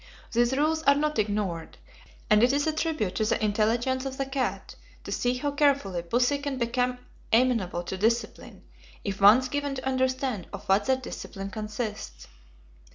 These rules are not ignored, and it is a tribute to the intelligence of the cat to see how carefully pussy can become amenable to discipline, if once given to understand of what that discipline consists.